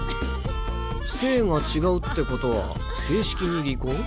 姓が違うって事は正式に離婚？